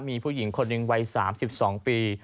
มีผู้หญิงคนหนึ่งวัย๓๒ปี